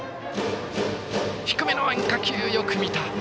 低めの変化球、よく見た。